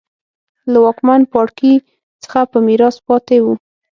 له واکمن پاړکي څخه په میراث پاتې وو.